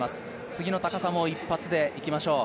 次の高さも一発でいきましょう。